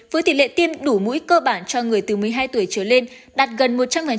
với tỷ lệ tiêm đủ mũi cơ bản cho người từ một mươi hai tuổi trở lên đạt gần một trăm linh